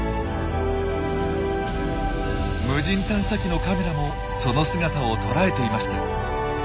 無人探査機のカメラもその姿を捉えていました。